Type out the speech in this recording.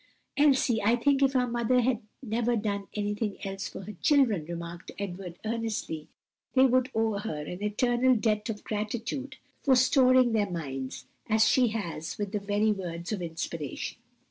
'" "Elsie, I think if our mother had never done anything else for her children," remarked Edward earnestly, "they would owe her an eternal debt of gratitude for storing their minds as she has with the very words of inspiration."